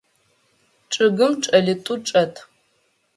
Чъыгым кӏэлитӏу чӏэт.